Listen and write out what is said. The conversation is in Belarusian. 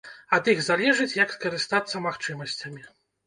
Ад іх залежыць, як скарыстацца магчымасцямі.